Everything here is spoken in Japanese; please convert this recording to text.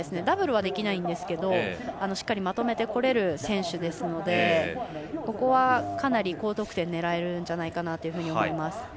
ダブルはできないんですけどしっかりまとめてこれる選手ですのでここは、かなり高得点狙えるんじゃないかと思います。